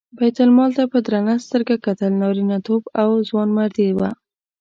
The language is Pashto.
بیت المال ته په درنه سترګه کتل نارینتوب او ځوانمردي وه.